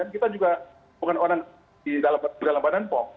kita juga bukan orang di dalam badan pom